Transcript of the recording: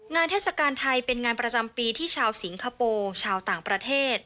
เทศกาลไทยเป็นงานประจำปีที่ชาวสิงคโปร์ชาวต่างประเทศ